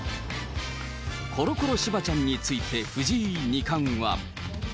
コロコロしばちゃんについて藤井二冠は。